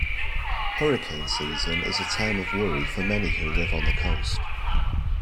Hurricane season is a time of worry for many who live on the coast.